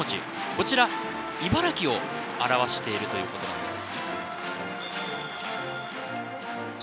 こちら、「イバラキ」を表しているということなんです。